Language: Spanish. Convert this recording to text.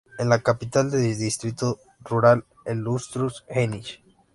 Es la capital del distrito rural del Unstrut-Heinich.